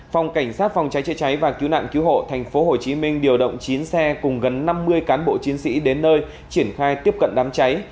phòng cảnh sát phòng cháy chữa cháy và cứu nạn cứu hộ tp hcm điều động chín xe cùng gần năm mươi cán bộ chiến sĩ đến nơi triển khai tiếp cận đám cháy